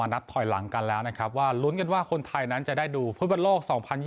นัดทอยหลังแล้วว่ารุ้นกันว่าคนไทยนั้นจะได้ดูพฤตุบันโลก๒๐๒๒